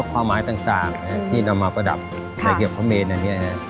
และความหมายต่างที่เรามาประดับในเกียรติพระมเหน่านี้